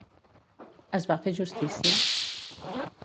Es va fer justícia?